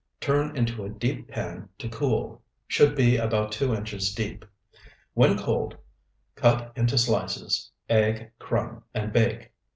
Turn into a deep pan to cool; should be about two inches deep. When cold cut into slices, egg, crumb, and bake.